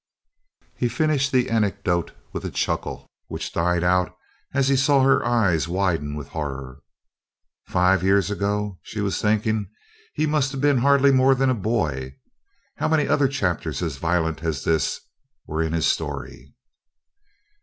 He finished the anecdote with a chuckle which died out as he saw her eyes widen with horror. Five years ago? she was thinking, he must have been hardly more than a boy. How many other chapters as violent as this were in his story?